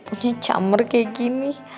punya chammer kayak gini